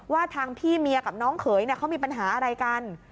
ว่าทางพี่เมียกับน้องเขยเขามีปัญหาอะไรกัน